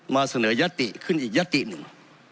มาเสนอยติขึ้นอีกยติหนึ่ง